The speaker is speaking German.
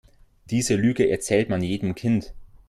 Diese Lüge erzählt man jedem Kind.